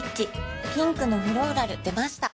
ピンクのフローラル出ました